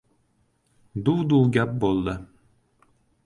Duv-duv gap bo‘ldi...